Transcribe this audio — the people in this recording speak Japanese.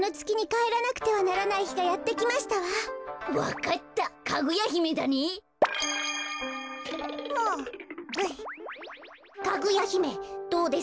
かぐやひめどうです？